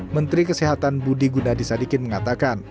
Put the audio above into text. menteri kesehatan budi gunadisadikin mengatakan